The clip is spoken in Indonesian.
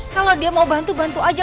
kalau dia mau bantu bantu aja